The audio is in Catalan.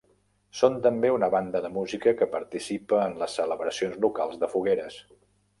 Són també una banda de música que participa en les celebracions locals de fogueres.